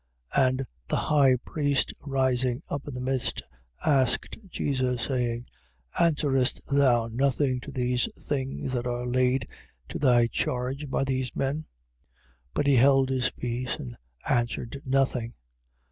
14:60. And the high priest rising up in the midst, asked Jesus, saying: Answerest thou nothing to the things that are laid to thy charge by these men? 14:61. But he held his peace and answered nothing.